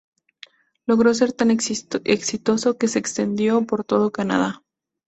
Logró ser tan exitoso que se extendió por todo Canadá.